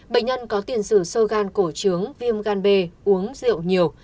bệnh nhân có tiền sử sô gan cổ trướng viêm gan bê uống rượu nhiều